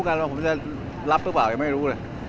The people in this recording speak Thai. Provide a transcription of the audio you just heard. ก็ขอบคุณแต่ผมยังไม่รู้กันผมจะรับหรือเปล่ายังไม่รู้เลย